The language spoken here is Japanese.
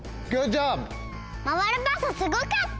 まわるパスすごかった！